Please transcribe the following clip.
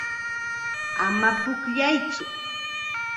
Ama pukllaytsu.